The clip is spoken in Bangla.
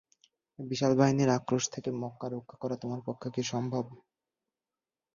এ বিশাল বাহিনীর আক্রোশ থেকে মক্কা রক্ষা করা তোমার পক্ষে কি সম্ভব?